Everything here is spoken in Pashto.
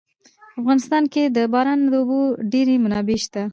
په افغانستان کې د باران د اوبو ډېرې منابع شته.